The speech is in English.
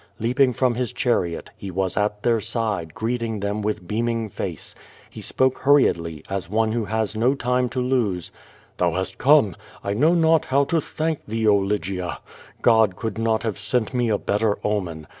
Leaping from his chariot, he was at their side, greeting them with beaming face. He spoke hur riedly, as one who has no time to lose: "Thou hast come. I know not how to thank thee, oh, Lygia! God could not have sent me a better omen.